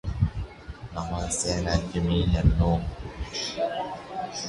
ނަމަވެސް އޭނާއަކީ މީހެއް ނޫން